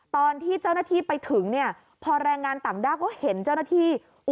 ตอนที่เจ้าหน้าที่ไปถึงเนี่ยพอแรงงานต่างด้าวก็เห็นเจ้าหน้าที่